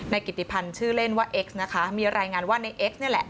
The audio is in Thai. กิติพันธ์ชื่อเล่นว่าเอ็กซ์นะคะมีรายงานว่าในเอ็กซนี่แหละ